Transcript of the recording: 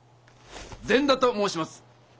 善田ともうします。